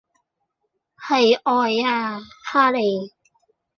係愛呀哈利